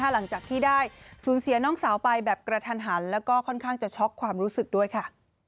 หลังจากที่ได้สูญเสียน้องสาวไปแบบกระทันหันแล้วก็ค่อนข้างจะช็อกความรู้สึกด้วยค่ะ